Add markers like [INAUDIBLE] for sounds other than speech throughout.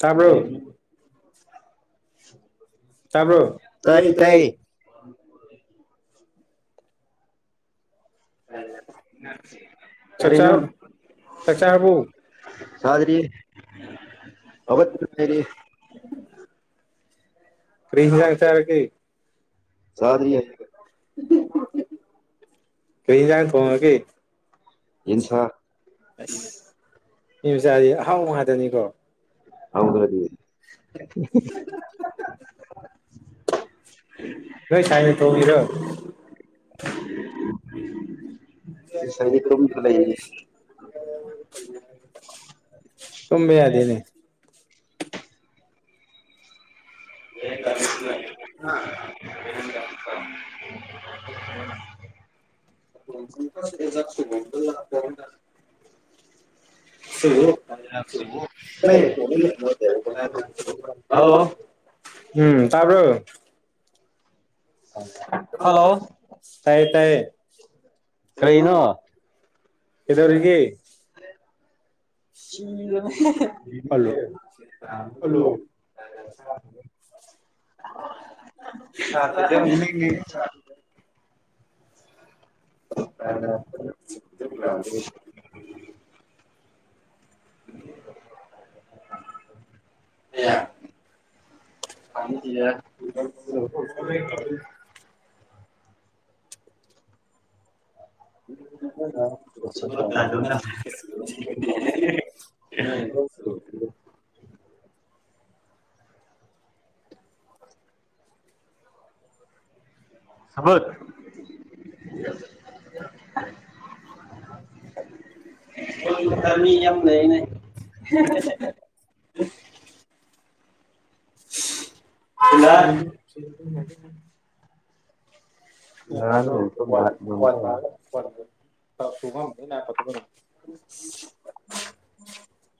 ꯇꯕ꯭ꯔꯣ [UNINTELLIGIBLE] ꯇꯥꯕ꯭ꯔꯣ ꯇꯥꯏ ꯇꯥꯏ ꯀꯔꯤꯅꯤ ꯆꯥꯛꯆꯥ ꯆꯥꯛꯆꯥꯥꯔꯕꯨ ꯆꯥꯗꯔ꯭ꯤ [UNINTELLIGIBLE] ꯍꯧꯒꯠꯇꯔꯤ ꯀꯔꯤ ꯍꯦꯟꯖꯥꯡ ꯆꯔꯒꯦ ꯆꯥꯗ꯭ꯔꯤ [UNINTELLIGIBLE] ꯀꯩ ꯍꯦꯟꯖꯥꯡ ꯊꯣꯡꯉꯒꯦ ꯌꯦꯟꯁꯥ [UNINTELLIGIBLE] ꯃꯤ ꯃꯆꯥꯗꯤ ꯑꯍꯥꯎ ꯉꯥꯛꯇꯅꯤꯀꯣ ꯍꯧꯗ꯭ꯔꯗꯤ [UNINTELLIGIBLE] ꯅꯣꯏ ꯁꯥꯏꯅ ꯊꯣꯡꯉꯤꯔꯣ [UNINTELLIGIBLE] [UNINTELLIGIBLE] ꯇꯨꯝꯕꯥ ꯌꯥꯗꯦꯅꯦ [UNINTELLIGIBLE] [UNINTELLIGIBLE] [UNINTELLIGIBLE] ꯍꯜꯂꯣ ꯎꯝ ꯇꯥꯕ꯭ꯔꯣ ꯍꯜꯂꯣ ꯇꯥꯏꯌꯦ ꯇꯥꯏꯌꯦ [UNINTELLIGIBLE] ꯀꯔꯤꯅꯣ ꯀꯩꯗꯧꯔꯤꯒꯦ ꯑꯜꯂꯣ [UNINTELLIGIBLE] [UNINTELLIGIBLE] [UNINTELLIGIBLE] [UNINTELLIGIBLE] [UNINTELLIGIBLE] [UNINTELLIGIBLE] ꯁꯃꯠ [UNINTELLIGIBLE] ꯊꯃꯤ ꯌꯥꯝ ꯂꯩꯅꯦ [UNINTELLIGIBLE] [UNINTELLIGIBLE] [UNINTELLIGIBLE]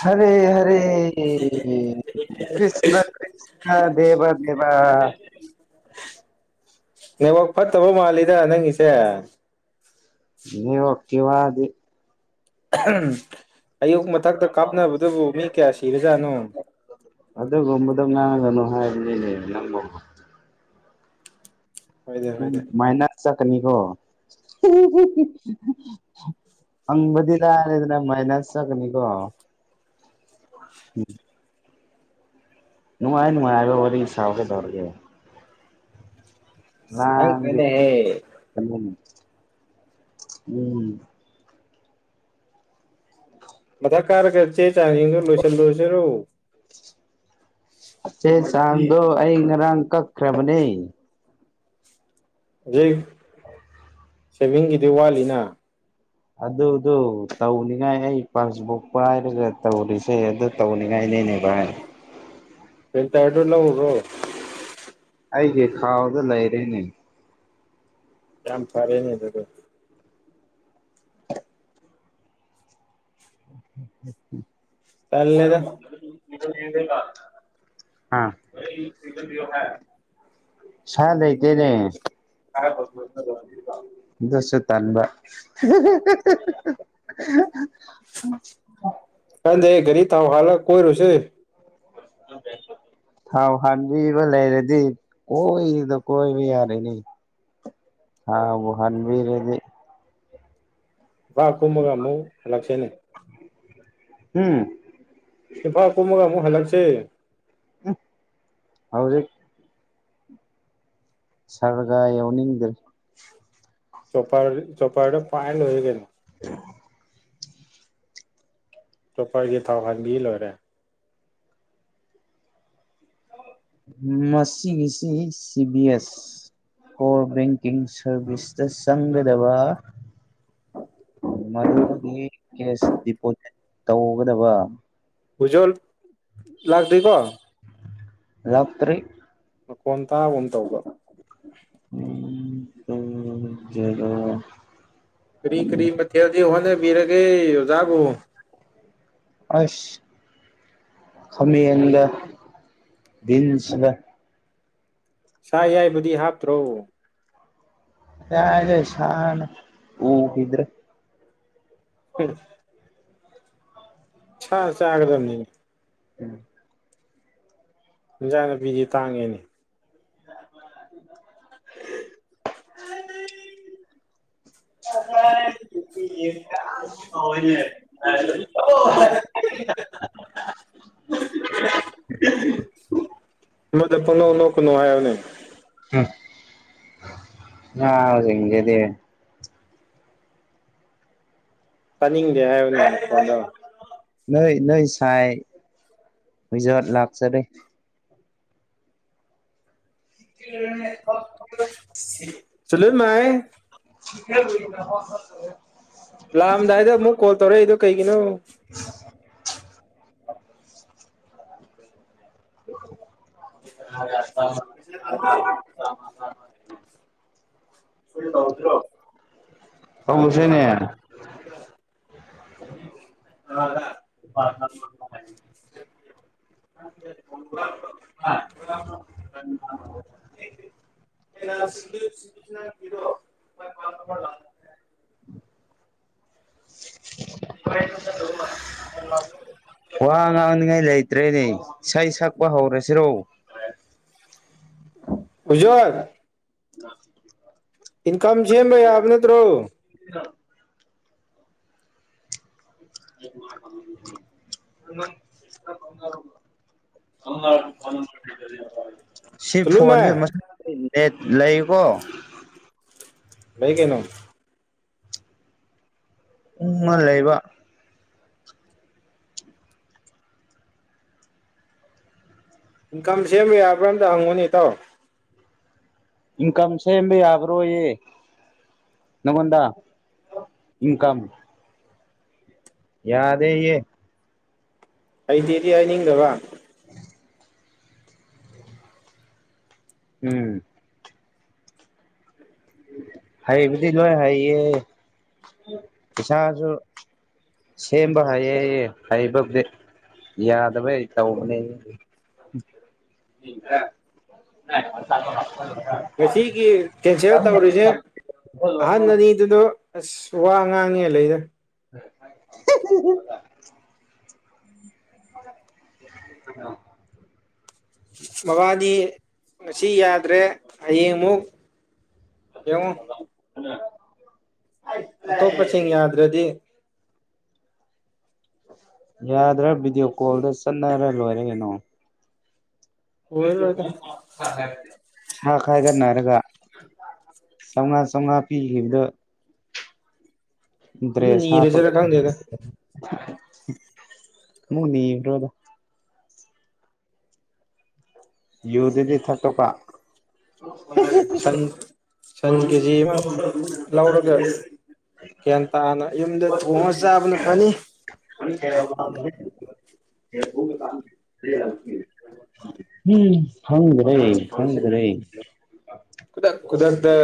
ꯍꯔꯦ ꯍꯔꯦ ꯀ꯭꯭ꯔꯤꯁꯅ ꯀ꯭꯭ꯔꯤꯁꯅ ꯗꯦꯕ ꯗꯦꯕ ꯍꯥ ꯍꯥ ꯍꯥ ꯅꯦꯇꯋꯥꯛ ꯐꯠꯇꯕ ꯃꯥꯜꯂꯤꯗ ꯅꯪꯒꯤꯁꯦ ꯅꯦꯇꯋꯥꯛꯀꯤ ꯋꯥꯗꯤ ꯑꯍꯝ ꯑꯌꯨꯛ ꯃꯊꯛꯇ ꯀꯥꯞꯅꯕꯗꯨꯕꯨ ꯃꯤ ꯀꯌꯥ ꯁꯤꯔꯖꯥꯠꯅꯣ ꯑꯗꯨꯒꯨꯝꯕꯗꯣ ꯉꯥꯡꯒꯅꯨ ꯍꯥꯏꯕꯅꯤꯅꯦ ꯅꯪꯕꯣ ꯍꯣꯏꯗ ꯎꯝ ꯍꯣꯏꯗ ꯃꯥꯏꯅꯁ ꯆꯠ ꯀꯅꯤꯀꯣ ꯍꯤ ꯍꯤ ꯍꯤ ꯍꯤ ꯍꯤ ꯐꯪꯕꯗꯤ ꯂꯥꯏꯔꯗꯅ ꯃꯥꯏꯅꯁ ꯆꯠꯀꯅꯤꯀꯣ ꯎꯝ ꯅꯨꯡꯉꯥꯏꯅ ꯅꯨꯡꯉꯥꯏꯕ ꯋꯥꯔꯤ ꯁꯥꯎ ꯀꯩꯇꯧꯔꯒꯦ ꯈꯪꯇ꯭ꯔꯦꯅꯦꯍꯦ ꯂꯥꯡꯒꯅꯨ ꯎꯝ ꯃꯊꯛ ꯀꯥꯔꯒ ꯆꯦ ꯆꯥꯡ ꯁꯤꯡꯗꯨ ꯂꯣꯏꯁꯤꯟꯂꯨꯔꯁꯤꯔꯣ ꯆꯦ ꯆꯥꯡꯗꯣ ꯑꯩ ꯉꯔꯥꯡ ꯀꯛꯈ꯭ꯔꯕꯅꯦ ꯍꯧꯖꯤꯛ ꯁꯦꯚꯤꯡꯒꯤꯗꯤ ꯋꯥꯠꯂꯤꯅ ꯑꯗꯨꯗꯣ ꯇꯧꯅꯤꯉꯥꯏ ꯑꯩ ꯄꯥꯁꯕꯨꯛ ꯄꯥꯏꯔꯒ ꯇꯧꯔꯤꯁꯦ ꯑꯗꯨ ꯇꯧꯅꯤꯡꯉꯥꯏꯅꯦꯅꯦ ꯚꯥꯏ ꯄ꯭ꯔꯤꯟꯇꯔꯗꯨ ꯂꯧꯔꯨꯔꯣ ꯑꯩꯒꯤ ꯈꯥꯎꯗ ꯂꯩꯔꯦꯅꯦ ꯌꯥꯝꯝ ꯐꯔꯦ ꯅꯦ ꯑꯗꯨꯗꯤ ꯎꯝ ꯎꯝ ꯎꯝ ꯇꯜꯂꯦꯗ ꯑ ꯁꯥ ꯂꯩꯇꯦꯅꯦ ꯍꯧꯖꯤꯛꯀꯤꯗꯣ ꯑꯗꯨꯁꯨ ꯇꯟꯕ ꯍꯤꯍꯤꯍꯤꯍꯥꯍꯥ ꯍ ꯀꯥꯟꯗꯦꯍꯦ ꯒꯥꯔꯤ ꯊꯥꯎ ꯍꯥꯟꯂꯥ ꯀꯣꯏꯔꯨꯁꯦ ꯅꯪ ꯒꯥꯔꯤ ꯁꯣꯗꯤ ꯊꯥꯎ ꯍꯥꯟꯕꯤꯕ ꯂꯩꯔꯗꯤ ꯀꯣꯏꯗ ꯀꯣꯏꯕ ꯌꯥꯔꯅꯤ ꯊꯥꯎꯕꯨ ꯍꯥꯟꯕꯤꯔꯗꯤ ꯄꯥꯠ ꯀꯨꯝꯃꯒ ꯑꯃꯨꯛ ꯍꯂꯛꯁꯦꯅꯦ ꯎꯝ ꯄꯥꯠ ꯀꯨꯝꯃꯒ ꯑꯃꯨꯛ ꯍꯜꯂꯛꯁꯦ ꯁꯦ ꯍꯧꯖꯤꯛ ꯁꯥꯔꯒ ꯌꯎꯅꯤꯡꯗ꯭ꯔꯦ ꯆꯣꯄꯔꯗ ꯆꯣꯄꯔꯗ ꯄꯥꯏꯔ ꯂꯣꯏꯔꯦ ꯀꯩꯅꯣ ꯆꯣꯄꯔꯒꯤ ꯊꯥꯎ ꯍꯥꯟꯕꯤ ꯂꯣꯏꯔꯦ ꯃꯁꯤꯒꯤꯁꯤ C B S core banking ꯁꯥꯔꯚꯤꯁꯇ ꯆꯪꯒꯗꯕ ꯃꯗꯨꯒꯤ ꯀꯦꯁ ꯗꯤꯄꯣꯖꯤꯠ ꯇꯧꯒꯗꯕ ꯕꯨꯖꯣꯜ ꯂꯥꯛꯇꯦꯀꯣ ꯂꯥꯛ ꯇ꯭ꯔꯤ ꯃꯈꯣꯟ ꯇꯥꯕꯒꯨꯝ ꯇꯧꯕ ꯗꯣ ꯀꯔꯤ ꯀꯔꯤ ꯃꯊꯦꯜꯗꯤ ꯍꯣꯠꯅ ꯕꯤꯔꯒꯦ ꯑꯣꯖꯥꯕꯨ ꯑꯩꯁ ꯈꯥꯃꯦꯟꯒ ꯚꯤꯟꯁꯒ ꯁꯥ ꯑꯌꯥꯏꯕꯗꯤ ꯍꯥꯞꯇ꯭ꯔꯣ ꯀꯔꯥꯏꯗꯩ ꯁꯥꯅꯣ ꯎꯈꯤꯗ꯭ꯔꯦ ꯎꯝ ꯁꯥ ꯆꯥꯒꯗꯝꯅꯤꯅꯦ ꯎꯝ ꯏꯟꯖꯥꯡ ꯅꯥꯄꯤꯗꯤ ꯇꯥꯡꯉꯦꯅꯦ ꯑꯃꯗ ꯄꯪꯅꯣꯛ ꯅꯣꯛꯀꯅꯨ ꯍꯥꯏꯌꯣꯅꯦ [UNINTELLIGIBLE] ꯍꯍ--ꯅꯥꯕꯖꯤꯡꯖꯤꯗꯤ ꯇꯥꯅꯤꯡꯗꯦ ꯍꯥꯏꯌꯨꯅꯦ ꯃꯈꯣꯟꯗꯣ ꯍꯣꯏ ꯅꯣꯏ ꯁꯥꯏ ꯑꯣꯏꯖꯕꯠ ꯂꯥꯛꯆꯔꯦ ꯆꯂꯨꯠ ꯃꯥꯏ [UNINTELLIGIBLE] ꯂꯥꯛꯑꯝꯗꯥꯏꯗ ꯑꯃꯨꯛ ꯀꯣꯜ ꯇꯧꯔꯛꯏꯗꯣ ꯀꯩꯒꯤꯅꯣ [INAUDIBLE] [UNINTELLIGIBLE] [UNINTELLIGIBLE] [UNINTELLIGIBLE] [UNINTELLIGIBLE] ꯐꯣꯟ ꯅꯝꯕꯔꯣ [UNINTELLIGIBLE] [UNINTELLIGIBLE] [UNINTELLIGIBLE] ꯋꯥ ꯉꯥꯡꯅꯤꯉꯥꯏ ꯂꯩꯇ꯭ꯔꯦꯅꯦ ꯏꯁꯩ ꯁꯛꯄ ꯍꯧꯔꯁꯤꯔꯣ ꯎꯖꯣꯏ [UNINTELLIGIBLE] ꯏꯟꯀꯝ ꯁꯦꯝꯕ ꯌꯥꯕ ꯅꯠꯇ꯭ꯔꯣ [UNINTELLIGIBLE] [UNINTELLIGIBLE] [UNINTELLIGIBLE] ꯁꯤ ꯆꯨꯂꯨꯞ ꯐꯣꯟꯁꯦ ꯃꯥꯏ ꯃꯁ [UNINTELLIGIBLE] ꯅꯦꯠ ꯂꯩꯉꯨꯀꯣ ꯂꯩ ꯀꯩꯅꯣ [UNINTELLIGIBLE] ꯂꯩꯕ ꯏꯟꯀꯝ ꯁꯦꯝꯕ ꯌꯥꯕ꯭ꯔꯥ ꯑꯝꯇ ꯍꯪꯉꯨꯅꯦ ꯏꯇꯥꯎ ꯏꯟꯀꯝ ꯁꯦꯝꯕ ꯌꯥꯕ꯭ꯔꯣꯌꯦ ꯅꯪꯉꯣꯟꯗ ꯏꯟꯀꯝ ꯌꯥꯗꯦ ꯌꯦ ꯍꯩꯇꯦꯗꯤ ꯍꯥꯏꯅꯤꯡꯗꯕ [UNINTELLIGIBLE] ꯎꯝ ꯍꯩꯕꯨꯗꯤ ꯂꯣꯏ ꯍꯩꯌꯦ ꯄꯩꯁꯥꯁꯨ ꯁꯦꯝꯕ ꯍꯩꯌꯦ ꯍꯩꯕꯕꯨꯗꯤ ꯌꯥꯗꯕꯩ ꯇꯧꯕꯅꯦ ꯉꯁꯤꯒꯤ ꯀꯦꯟꯁꯦꯜ ꯇꯧꯔꯤꯁꯦ ꯑꯍꯟ ꯑꯅꯤꯗꯨꯗꯣ [UNINTELLIGIBLE] ꯑꯁ ꯋꯥ ꯉꯥꯡꯉꯦ ꯂꯩꯗ [UNINTELLIGIBLE] [UNINTELLIGIBLE] [UNINTELLIGIBLE] ꯃꯥꯕꯥꯗꯤ ꯉꯁꯤ ꯌꯥꯗ꯭ꯔꯦ ꯍꯌꯦꯡ ꯑꯃꯨꯛ ꯌꯦꯡꯉꯣ [UNINTELLIGIBLE] ꯑꯇꯣꯞꯄꯁꯤꯡ ꯌꯥꯗ꯭ꯔꯗꯤ ꯌꯥꯗ꯭ꯔꯥ ꯚꯤꯗꯤꯑꯣ ꯀꯣꯜꯗ ꯆꯠꯅꯔ ꯂꯣꯏꯔꯦ ꯀꯩꯅꯣ ꯑꯣꯏꯔꯔꯣꯏꯗ ꯑꯃꯨꯛ ꯁꯥ ꯈꯏꯒꯠꯅꯔꯒ [UNINTELLIGIBLE] ꯆꯥꯝꯃꯉꯥ ꯄꯤꯈꯤꯕꯗꯣ ꯗ꯭ꯔꯦꯁ [UNINTELLIGIBLE] ꯀꯪꯗꯦꯗ [UNINTELLIGIBLE] ꯅꯤ꯭ꯔꯣꯗ ꯌꯨ ꯗꯨꯗꯤ ꯊꯛꯇꯣꯛꯄ [UNINTELLIGIBLE] ꯁꯟ ꯁꯟ ꯀꯦꯖꯤ ꯑꯃ ꯂꯧꯔꯒ ꯒ꯭ꯌꯥꯟ ꯇꯥꯅ ꯌꯨꯝꯗ ꯊꯣꯡꯉꯒ ꯆꯥꯕꯅ ꯐꯅꯤ ꯈꯪꯗꯔ꯭ꯦ ꯈꯪꯗꯔ꯭ꯦ ꯗ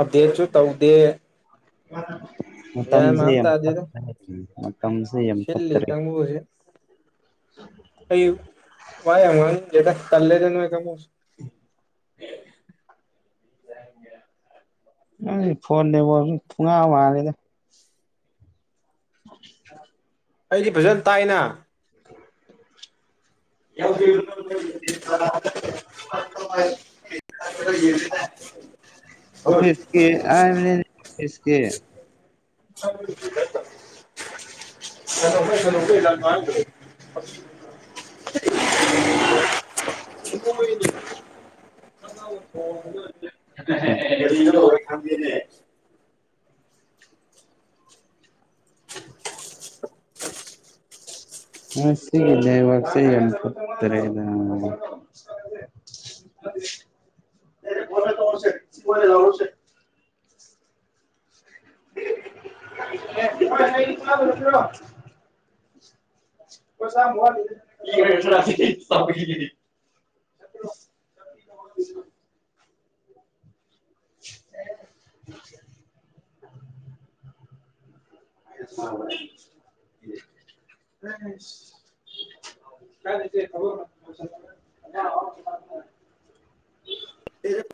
ꯑꯞꯗꯦꯠꯁꯨ ꯇꯧꯗꯦ ꯃꯇꯝꯁꯦ ꯌꯥꯝ [UNINTELLIGIBLE] [INAUDIBLE] ꯌꯥꯝ ꯁꯤꯂꯤ ꯀꯪꯕꯨꯁꯤ ꯑꯥꯌꯨ ꯋꯥ ꯌꯥꯝ ꯉꯪꯅꯤꯪꯗꯔ꯭ꯦꯗ ꯎꯟ ꯇꯥꯂꯦꯗꯥ ꯅꯣꯏ ꯀꯪꯕꯨꯁꯦ [INAUDIBLE] ꯐꯣꯟ ꯅꯦꯠꯋꯥꯛꯁꯤ ꯊꯨꯡꯉ ꯃꯥꯅꯤꯗ [INAUDIBLE] ꯑꯩꯗꯤ ꯐꯖꯅ ꯇꯥꯏꯅ [INAUDIBLE] ꯍꯥꯏꯕꯅꯤꯅꯦ [UNINTELLIGIBLE] ꯏꯁ ꯀꯦ [UNINTELLIGIBLE] [INAUDIBLE] [INAUDIBLE] [UNINTELLIGIBLE] [INAUDIBLE] ꯉꯁꯤ ꯅꯦꯠꯋꯥꯛꯁꯦ ꯌꯥꯝ ꯐꯖꯗꯔꯦ ꯅ [UNINTELLIGIBLE] [INAUDIBLE] [INAUDIBLE] [UNINTELLIGIBLE]